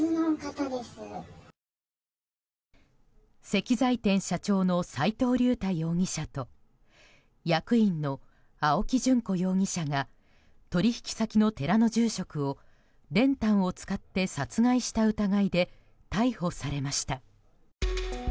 石材店社長の齋藤竜太容疑者と役員の青木淳子容疑者が取引先の寺の住職を練炭を使って殺害した疑いで逮捕されました。